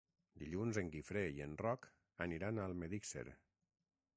Dilluns en Guifré i en Roc aniran a Almedíxer.